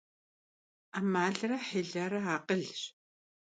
'emalre hilere akhılş.